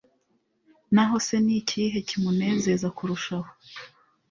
naho se ni ikihe kimunezeza kurushaho ?